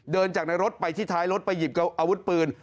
เดินจากในรถไปที่ท้ายรถไปหยิบอาวุธปืน